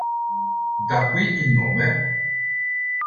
Da qui il nome.